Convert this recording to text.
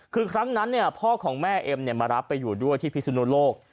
คือครั้งนั้นพ่อของแม่เอ็มมารับไปอยู่ด้วยที่พิสุนุโลก